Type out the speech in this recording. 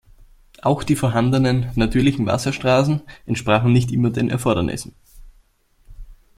Auch die vorhandenen natürlichen Wasserstraßen entsprachen nicht immer den Erfordernissen.